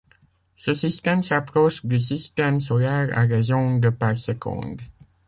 Ce système s'approche du système solaire à raison de par seconde.